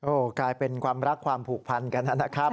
โอ้ถ้าเป็นความรักความผูกพันกันน่ะนะครับ